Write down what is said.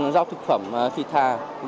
rau thực phẩm thịt thà